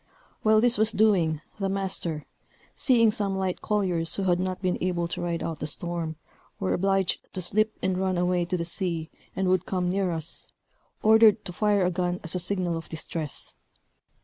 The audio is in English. While this was doing, the master seeing some light colliers, who, not able to ride out the storm, were obliged to slip, and run away to the sea, and would come near us, ordered to fire a gun as a signal of distress.